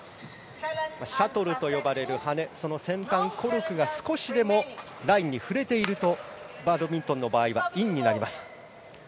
シャトルと呼ばれる羽根その先端、コルクが少しでもラインに触れているとバドミントンの場合はインになります。